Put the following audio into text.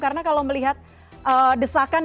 karena kalau melihat desakan